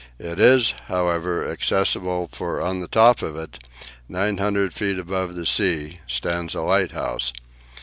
It is, however, accessible, for on the top of it 900 feet above the sea stands a lighthouse.